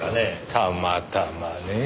たまたまねぇ。